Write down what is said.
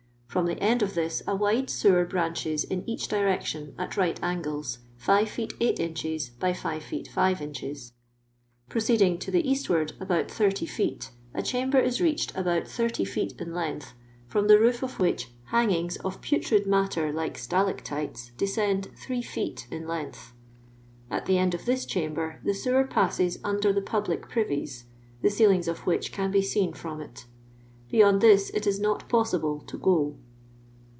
From the end of ^tk, a wide sewer branches in each direction at right angles, 5 feet 8 inches by 5 feet 5 inches.^ As* ceeding to the eastward about 30 feet, a chamba is reached about 30 feet in length, from the roof of which hangings of putrid matter Hie ttalac tlUs descend threi ftH in Untfth, At the end of this chamber, the sewer passes under the public privies, the ceilings of which can be seen firom it. Beyond this it is not possible to go.'